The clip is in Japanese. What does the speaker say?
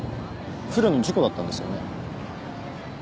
不慮の事故だったんですよね？